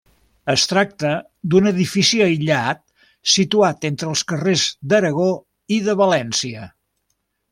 Es tracta d'un edifici aïllat situat entre els carrers d'Aragó i de València.